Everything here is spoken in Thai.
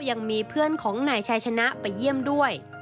ยังมีเพื่อนของนายชายชนะไปเยี่ยมด้วย